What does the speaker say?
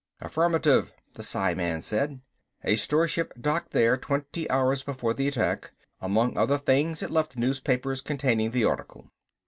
"Affirmative," the psiman said. "A store ship docked there twenty hours before the attack. Among other things, it left newspapers containing the article."